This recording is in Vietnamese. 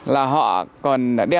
là họ còn đeo